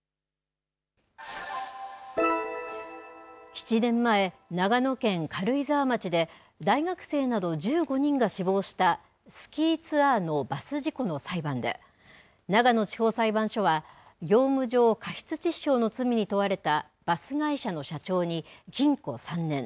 ７年前、長野県軽井沢町で大学生など１５人が死亡したスキーツアーのバス事故の裁判で長野地方裁判所は業務上過失致傷の罪に問われたバス会社の社長に禁錮３年。